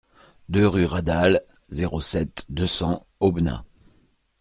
deux rue Radal, zéro sept, deux cents Aubenas